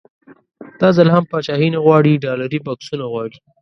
دا ځل هم پاچاهي نه غواړي ډالري بکسونه غواړي.